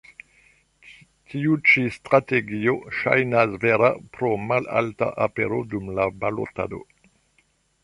Tiu ĉi strategio ŝajnas vera pro malalta apero dum la balotado.